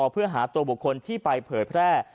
เพื่อหาตัวบุคคลที่ไปเผยแพร่